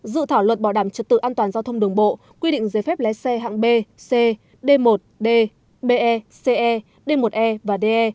dự thảo luật bảo đảm trật tự an toàn giao thông đường bộ quy định giấy phép lái xe hạng b c d một d be ce d một e và de